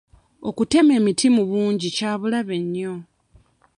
Okutema emiti mu bungi kya bulabe nnyo.